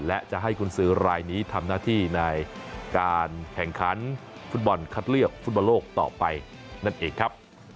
และจะให้คุณซื้อรายนี้ทำหน้าที่ในการแข่งขันฟุตบอลคัดเลือกฟุตบอลโลกต่อไปนั่นเองครับ